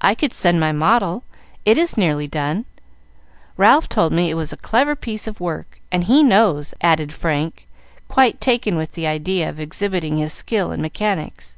"I could send my model; it is nearly done. Ralph told me it was a clever piece of work, and he knows," added Frank, quite taken with the idea of exhibiting his skill in mechanics.